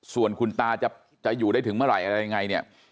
ส่วนคุณตาจะอยู่ได้ถึงเมื่อไหร่อะไรยังไงเนี่ย